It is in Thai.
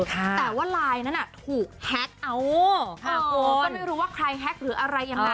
แต่ว่าไลน์นั้นถูกแฮ็กเอาก็ไม่รู้ว่าใครแฮ็กหรืออะไรยังไง